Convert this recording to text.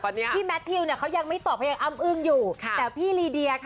จริงเหรอโอ้ยยังไงเนี่ยแม่ไหวป่ะเนี่ย